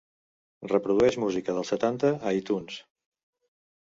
Reprodueix música dels setanta a Itunes